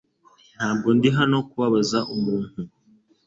Ntabwo ndi hano kubabaza umuntu .